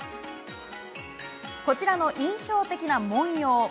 こちらの印象的な文様。